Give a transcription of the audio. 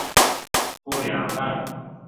布里昂泰。